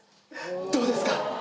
どうですか？